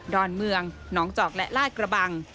อนเมืองหนองจอกและลาดกระบัง